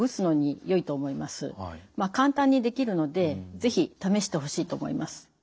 簡単にできるので是非試してほしいと思います。